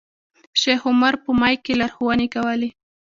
شیخ عمر په مایک کې لارښوونې کولې.